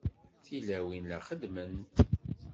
Tilawin la xeddment.